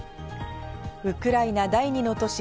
ウクライナ第２の都市